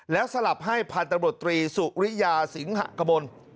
แล้วสลับให้พันธบรตรีสุริยาสิงหะกมล